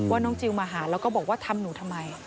น้องจิลมาหาแล้วก็บอกว่าทำหนูทำไม